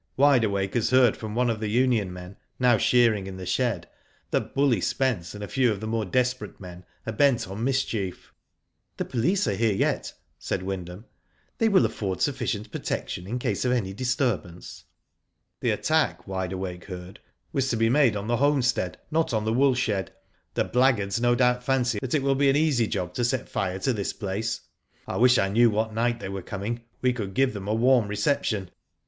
Wide Awake has heard from one of the Union men, now shearing in the shed, that Bully Spence and a few of the more desperate men are bent on mischief/' " The police are here yet/' said Wyndham. "They will afford sufficient protection in case of any disturbance." The attack, Wide Awake heard, was to be made on the homestead, not on the wool shed. The blackguards * no doubt fancy it will be an easy job to set fire to this place. I wish I knew what night they were coming, we could give them a warm reception."